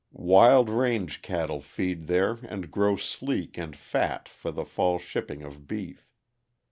Wild range cattle feed there and grow sleek and fat for the fall shipping of beef.